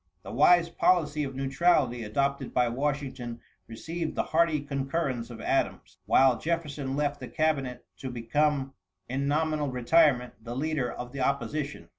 The wise policy of neutrality adopted by Washington received the hearty concurrence of Adams. While Jefferson left the cabinet to become in nominal retirement the leader of the opposition.